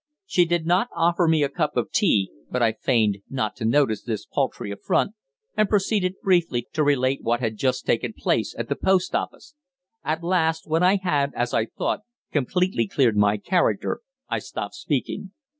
She did not offer me a cup of tea, but I feigned not to notice this paltry affront, and proceeded briefly to relate what had just taken place at the post office. At last, when I had, as I thought, completely cleared my character, I stopped speaking.